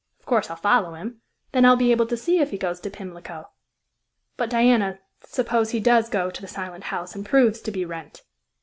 Of course, I'll follow him; then I'll be able to see if he goes to Pimlico." "But, Diana, suppose he does go to the Silent House, and proves to be Wrent?"